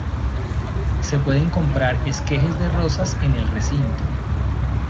Se pueden comprar esquejes de rosas en el recinto.